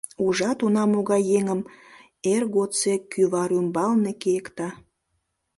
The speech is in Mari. — Ужат, уна могай еҥым эр годсек кӱвар ӱмбалне кийыкта!